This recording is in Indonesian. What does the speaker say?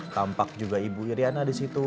tampak juga ibu iryana disitu